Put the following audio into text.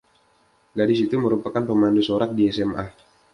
Gadis itu merupakan pemandu sorak di SMA.